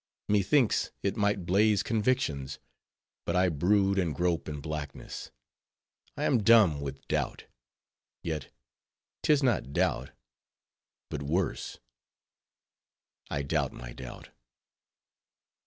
Methinks, it might blaze convictions; but I brood and grope in blackness; I am dumb with doubt; yet, 'tis not doubt, but worse: I doubt my doubt.